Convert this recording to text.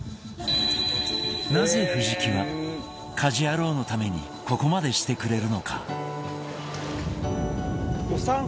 なぜ藤木は『家事ヤロウ！！！』のためにここまでしてくれるのか？